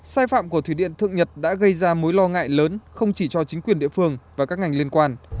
sai phạm của thủy điện thượng nhật đã gây ra mối lo ngại lớn không chỉ cho chính quyền địa phương và các ngành liên quan